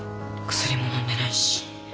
薬ものんでないし。